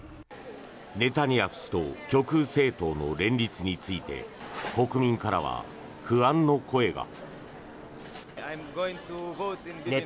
ネタニヤフ氏と極右政党の連立について国民からは不安の声が。